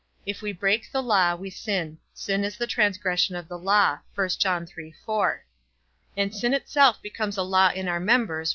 If we break the law, we sin; sin is the transgression of the law; and sin itself becomes a law in our members.